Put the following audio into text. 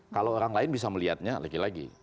kalau orang lain bisa melihatnya lagi lagi